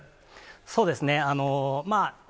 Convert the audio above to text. そうですね。